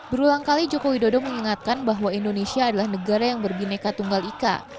berulang kali joko widodo mengingatkan bahwa indonesia adalah negara yang berbineka tunggal ika